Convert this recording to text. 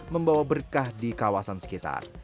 membawa berkah di kawasan sekitar